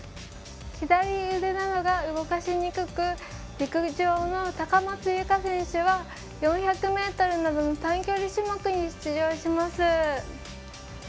左腕が動かしにくく陸上の高松佑圭選手は４００ｍなどの短距離種目に出場します。